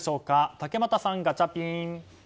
竹俣さん、ガチャピン。